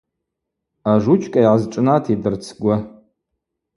Ажучка йгӏазшӏнатитӏ рцгвы.